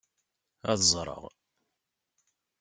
Ad ẓreɣ.